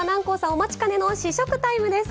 お待ちかねの試食タイムです。